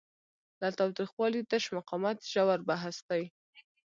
له تاوتریخوالي تش مقاومت ژور بحث دی.